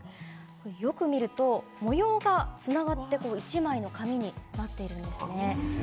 よく見ると模様がつながって１枚の紙になっているんですね。